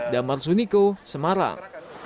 damar suniko semarang